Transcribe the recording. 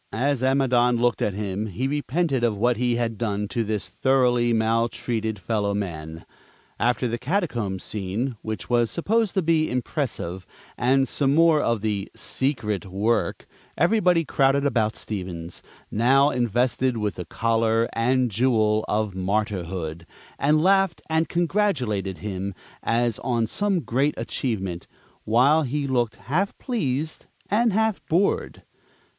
As Amidon looked at him, he repented of what he had done to this thoroughly maltreated fellow man. After the Catacombs scene, which was supposed to be impressive, and some more of the "secret" work, everybody crowded about Stevens, now invested with the collar and "jewel" of Martyrhood, and laughed, and congratulated him as on some great achievement, while he looked half pleased and half bored.